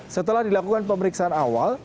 setelah dilakukan pemeriksaan awal